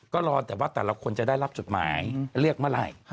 ก็รอแต่ว่าแต่ละคนจะได้รับจดหมายเรียกเมื่อไหร่